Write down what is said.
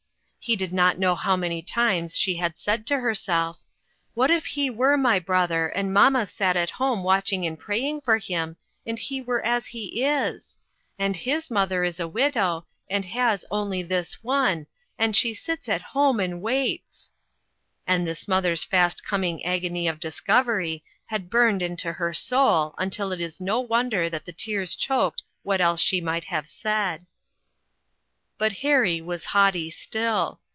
He did not know how many times she had said to herself: "What if he were my brother, and mamma sat at home watching and praying for him, and he were as he is ! And his mother is a widow, and has only this one, and she sits at home and waits !" And this mother's fast coming agony of discovery had burned into her soul until it is no wonder that the tears choked what else she might have said. But Harry was haughty still.